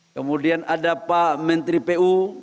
kemudian ada pak menteri pu